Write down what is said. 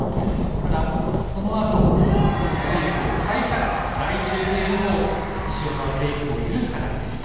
ただ、そのあとすぐにブレイクを返されて第１０ゲームも西岡はブレイクを許す形でした。